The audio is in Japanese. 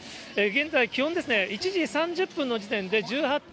現在、気温ですね、１時３０分の時点で１８．３度。